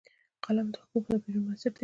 قلم د ښو تعبیرونو بنسټ دی